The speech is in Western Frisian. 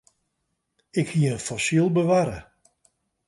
Ik hie in fossyl bewarre.